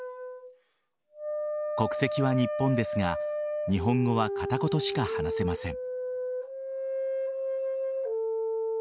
国籍は日本ですが日本語は片言しか話せません。